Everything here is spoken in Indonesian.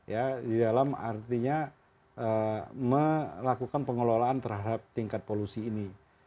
ya di dalam artinya melakukan pengelolaan terhadap tingkat polusi ini